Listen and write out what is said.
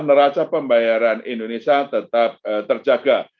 neraca pembayaran indonesia tetap terjaga